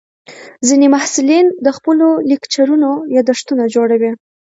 ځینې محصلین د خپلو لیکچرونو یادښتونه جوړوي.